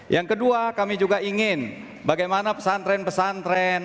yang kedua kami juga ingin bagaimana pesantren pesantren